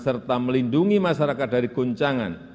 serta melindungi masyarakat dari goncangan